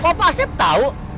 kok pak asyep tau